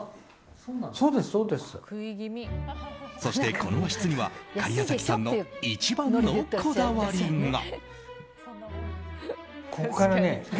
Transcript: そして、この和室には假屋崎さんの一番のこだわりが。